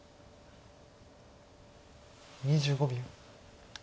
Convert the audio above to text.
２５秒。